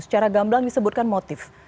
secara gamblang disebutkan motif